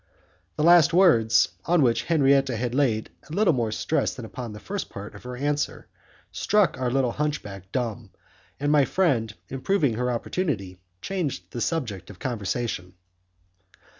The last words, on which Henriette had laid a little more stress than upon the first part of her answer, struck our little hunchback dumb, and my friend, improving her opportunity, changed the subject of conversation.